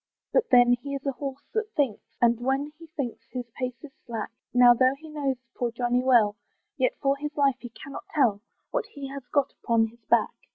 But then he is a horse that thinks! And when he thinks his pace is slack; Now, though he knows poor Johnny well, Yet for his life he cannot tell What he has got upon his back.